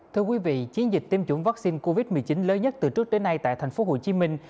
thưa quý vị chiến dịch tiêm chủng vaccine covid một mươi chín lớn nhất từ trước đến nay tại thành phố hồ chí minh